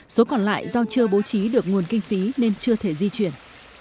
số còn lại do chưa bố trí được nguồn kinh phí nên chưa thể di chuyển